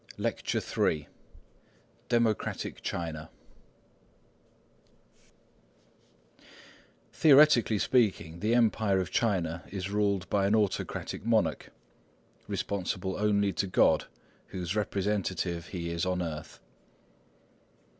LECTURE III DEMOCRATIC CHINA DEMOCRATIC CHINA Theoretically speaking, the Empire of China is ruled by an autocratic monarch, responsible only to God, whose representative he is on earth.